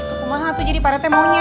ya kukumah aku jadi parete maunya